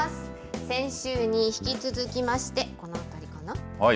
先週に引き続きまして、このあたりかな？